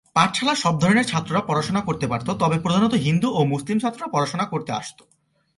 পাঠশালা সব ধরনের ছাত্ররা পড়াশোনা করতে পারত, তবে এখানে প্রধানত হিন্দু এবং মুসলিম ছাত্ররা পড়াশোনা করতে আসত।